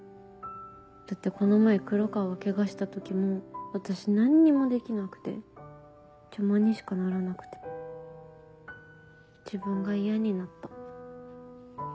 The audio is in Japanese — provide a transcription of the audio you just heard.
だってこの前黒川がケガした時も私何にもできなくて邪魔にしかならなくて自分が嫌になった。